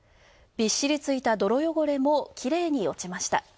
びっしりついた泥汚れもきれいに落ちました。